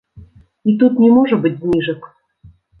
І тут не можа быць зніжак.